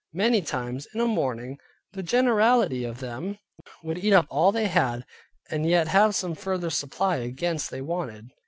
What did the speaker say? Many times in a morning, the generality of them would eat up all they had, and yet have some further supply against they wanted.